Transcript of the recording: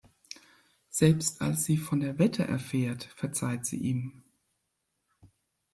Selbst als sie von der Wette erfährt, verzeiht sie ihm.